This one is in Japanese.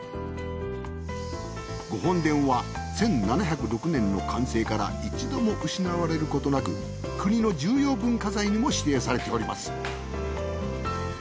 御本殿は１７０６年の完成から一度も失われることなく国の重要文化財にも指定されております